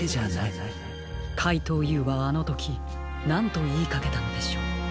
こころのこえかいとうＵはあのときなんといいかけたのでしょう。